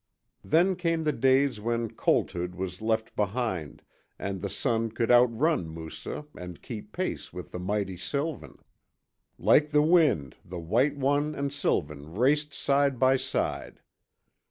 Then came the days when colthood was left behind, and the son could outrun Moussa and keep pace with mighty Sylvan. Like the wind, the white one and Sylvan raced side by side.